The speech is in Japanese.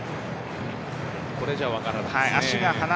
これじゃ分からないですね。